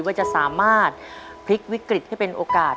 ว่าจะสามารถพลิกวิกฤตให้เป็นโอกาส